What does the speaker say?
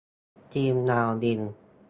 ทีมดาวดิน